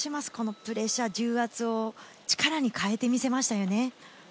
プレッシャー、重圧を力に変えて見せましたよね。